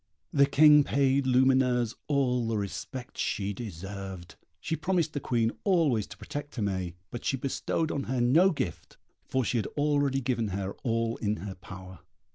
The King paid Lumineuse all the respect she deserved. She promised the Queen always to protect Aimée, but she bestowed on her no gift, for she had already given her all in her power.